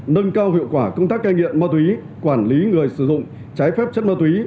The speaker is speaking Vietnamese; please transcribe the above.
nâng cao hiệu quả công tác cai nghiện ma túy quản lý người sử dụng trái phép chất ma túy